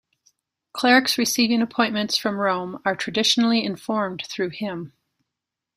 Clerics receiving appointments from Rome are traditionally informed through him.